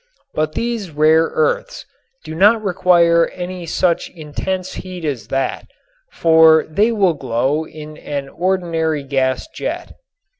But these rare earths do not require any such intense heat as that, for they will glow in an ordinary gas jet.